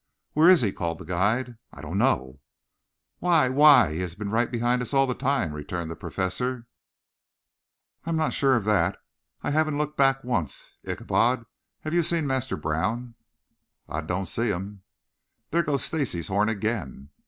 "Where is he?" called the guide. "I don't know." "Why, why, he has been right behind us all the time," returned the Professor. "I am not sure of that. I haven't looked back once. Ichabod, have you seen Master Brown?" "Ah doan' see him." "There goes Stacy's horn again."